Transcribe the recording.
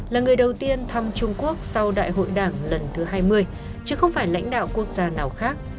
là người đầu tiên thăm trung quốc sau đại hội đảng lần thứ hai mươi chứ không phải lãnh đạo quốc gia nào khác